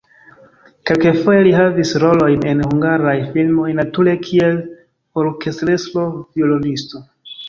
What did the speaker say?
Kelkfoje li havis rolojn en hungaraj filmoj, nature kiel orkestrestro-violonisto.